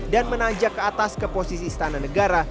dan menanjak ke atas ke posisi istana negara